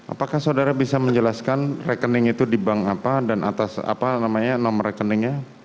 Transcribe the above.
apakah saudara bisa menjelaskan rekening itu di bank apa dan atas apa namanya nomor rekeningnya